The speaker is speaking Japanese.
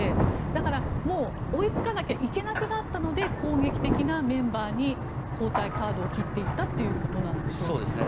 だから、追いつかなきゃいけなくなったので攻撃的なメンバーに交代カードを切っていったということなんでしょうか。